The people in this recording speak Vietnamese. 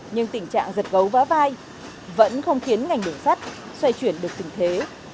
nhưng tình trạng giật gấu vá vai vẫn không khiến ngành đường sắt xoay chuyển được tình thế